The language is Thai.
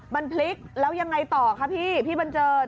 มันพลิกแล้วยังไงต่อคะพี่พี่บันเจิด